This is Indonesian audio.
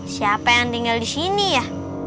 siapa yang tinggal di sini ya